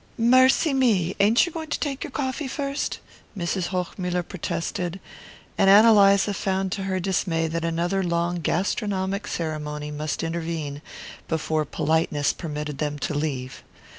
"Mercy me! Ain't you going to take your coffee first?" Mrs. Hochmuller protested; and Ann Eliza found to her dismay that another long gastronomic ceremony must intervene before politeness permitted them to leave.